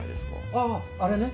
あああれね。